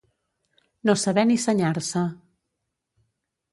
No saber ni senyar-se.